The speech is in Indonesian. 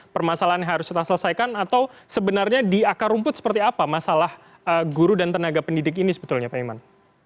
permasalahan yang harus kita selesaikan atau sebenarnya di akar rumput seperti apa masalah guru dan tenaga pendidik ini sebetulnya pak iman